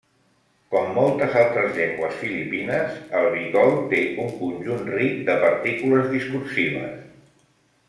Com moltes altres llengües filipines, el bicol té un conjunt ric de partícules discursives.